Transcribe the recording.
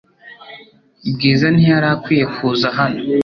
Bwiza ntiyari akwiye kuza hano .